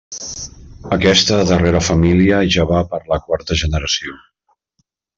Aquesta darrera família ja va per la quarta generació.